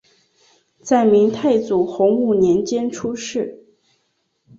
在明太祖洪武年间出仕。